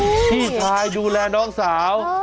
นี่นี่ไงพี่ชายดูแลน้องสาว